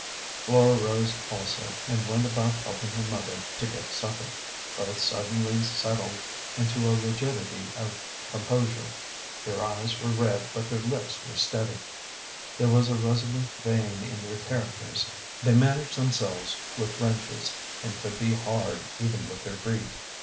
Flora rose also, and went about helping her mother to get supper. Both suddenly settled into a rigidity of com A GENTLE GHOST. 243 posure ; their eyes were red, but their lips were steady. There was a resolute vein in their characters ; they man aged themselves with wrenches, and could be hard even with their grief.